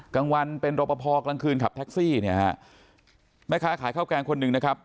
กลางวันเป็นรอปภกลางคืนขับแท็กซี่เนี่ยฮะแม่ค้าขายข้าวแกงคนหนึ่งนะครับ